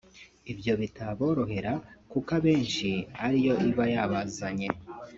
ibyo bitaborohera kuko abenshi ari yo iba yabazanye